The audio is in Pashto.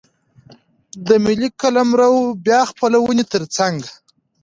د ملي قلمرو بیا خپلونې ترڅنګ.